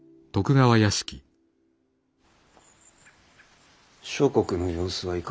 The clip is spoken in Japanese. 諸国の様子はいかがじゃ？